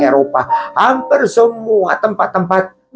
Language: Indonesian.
eropa hampir semua tempat tempat